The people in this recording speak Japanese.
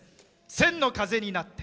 「千の風になって」。